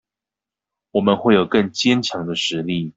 我們會有更堅強的實力